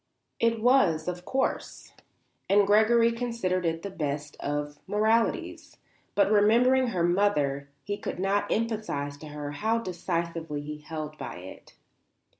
It was, of course, and Gregory considered it the very best of moralities; but remembering her mother he could not emphasize to her how decisively he held by it.